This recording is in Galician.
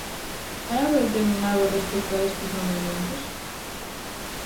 Hai algo determinado respecto a estes nomeamentos?